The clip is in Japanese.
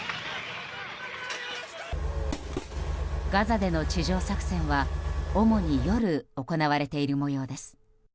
ガザでの地上作戦は主に夜行われている模様です。